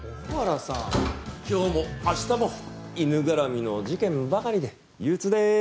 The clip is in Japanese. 今日も明日も犬絡みの事件ばかりで憂鬱でーす。